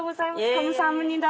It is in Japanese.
カムサハムニダ。